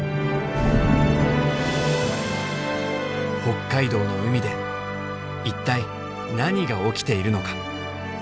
北海道の海で一体何が起きているのか？